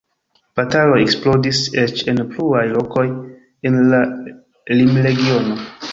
Bataloj eksplodis eĉ en pluaj lokoj en la limregiono.